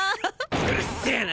うるせな！